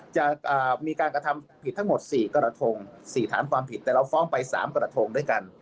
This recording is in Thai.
จะมีการกระทำผิดทั้งหมด๔กระทง๔ฐานความผิดแต่เราฟ้องไป๓กระทงด้วยกัน